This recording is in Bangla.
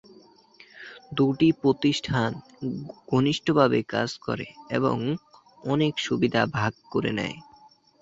দুটি প্রতিষ্ঠান ঘনিষ্ঠভাবে কাজ করে এবং অনেক সুবিধা ভাগ করে নেয়।